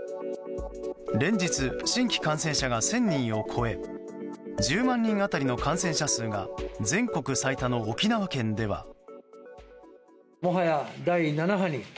連日、新規感染者が１０００人を超え１０万人当たりの感染者数が全国最多の沖縄県では。